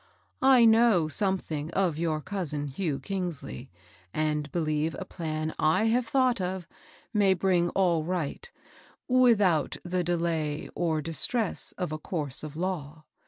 I know something of your cousin Hugh Kingsley, and be lieve a plan I have thought of may bring all right without the delay or distress of a curse of law.